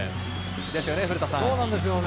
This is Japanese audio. ですよね、古田さん。